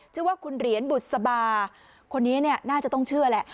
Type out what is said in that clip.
ชื่อว่าคุณเหรียญบุษบาคนนี้น่าจะต้องเชื่อแหละ